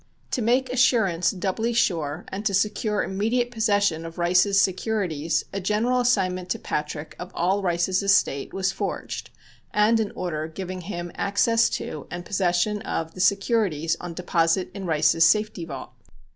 To make assurance doubly sure and to secure immediate possession of Rice's securities a general assignment to Patrick of all Rice's estate was forged, and an order giving him access to and possession of the securities on deposit in Rice's safety vault.